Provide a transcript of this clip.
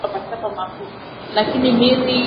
Lakini miri fundaka asema kurima pa muchanga ni mubaya